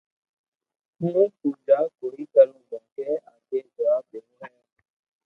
ھون پوجا ڪوئيي ڪرو ڪونڪھ آگي جواب ديوو ھي